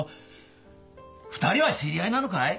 げんと２人は知り合いなのかい？